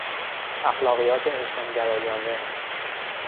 اخلاقیات انسان گرایانه